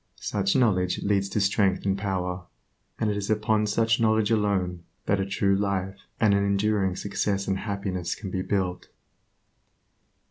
Such knowledge leads to strength and power, and it is upon such knowledge alone that a true life and an enduring success and happiness can be built.